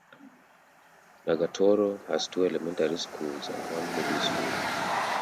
Nagatoro has two elementary schools and one middle school.